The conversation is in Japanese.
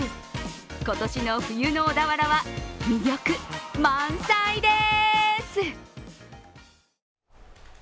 今年の冬の小田原は魅力満載でーす。